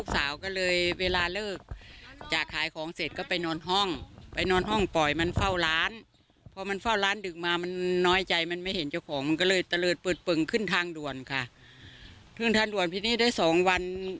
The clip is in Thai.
เสร็จก็ไปนอนห้องไปนอนห้องปล่อยมันเฝ้าร้านพอมันเฝ้าร้านดึกมามันน้อยใจมันไม่เห็นเจ้าของมันก็เลยตะเลิศปืดปึ่งขึ้นทางด่วนค่ะ